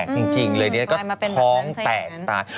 จริงเลยเนี่ยก็ท้องแตกตาย